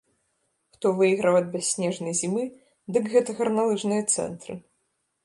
Хто выйграў ад бясснежнай зімы, дык гэта гарналыжныя цэнтры!